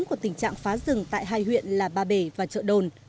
của tình trạng phá rừng tại hai huyện là ba bể và chợ đồn